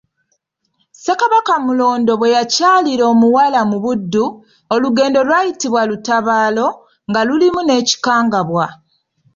Ssekabaka Mulondo bwe yakyalira omuwala mu Buddu, olugendo lwayitibwa lutabaalo, nga lulimu ekikangabwa.